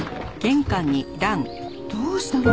どうしたの？